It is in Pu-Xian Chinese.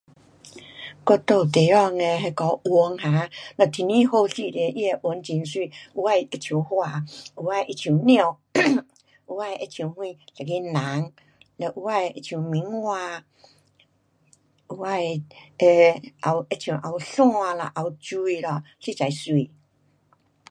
我住的地方那个云天气好时那个云非常美丽有些像花有些像猫有些像一个人有些像 [unintelligible] 花有些也像有山有水实在非美